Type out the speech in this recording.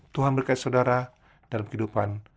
tuhan berkait saudara dalam kehidupan